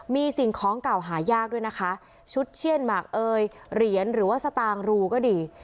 มีสิ่งของเก่าหายากด้วยนะคะชุดเชียนหมากเอ่ยเหรียญหรือว่าสตางค์รูก็ดี